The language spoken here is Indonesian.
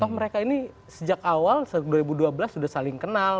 oh mereka ini sejak awal dua ribu dua belas sudah saling kenal